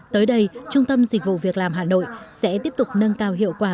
tới đây trung tâm dịch vụ việc làm hà nội sẽ tiếp tục nâng cao hiệu quả